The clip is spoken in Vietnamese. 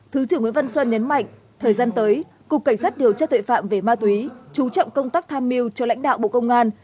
thứ trưởng nguyễn văn sơn nhấn mạnh thời gian tới cục cảnh sát điều tra tội phạm về ma túy chú trọng công tác tham mưu cho lãnh đạo bộ công an